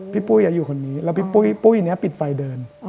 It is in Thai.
ปุ้ยอยู่คนนี้แล้วพี่ปุ้ยนี้ปิดไฟเดิน